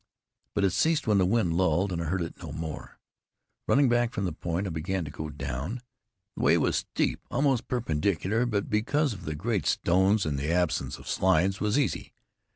But it ceased when the wind lulled, and I heard it no more. Running back from the point, I began to go down. The way was steep, almost perpendicular; but because of the great stones and the absence of slides, was easy.